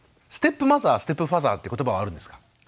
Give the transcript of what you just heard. ステップマザーステップファーザーって言葉はあるんですか？